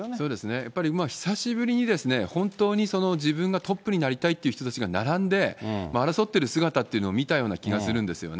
やっぱり久しぶりに本当に自分がトップになりたいっていう人たちが並んで、争っている姿というのを見たような気がするんですよね。